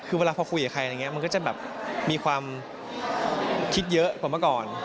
คือเวลาพอคุยกับใครอะไรอย่างนี้มันก็จะแบบมีความคิดเยอะกว่าเมื่อก่อน